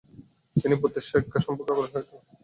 তিনি বুদ্ধের শিক্ষা সম্পর্কে আগ্রহী হয়ে ওঠেন।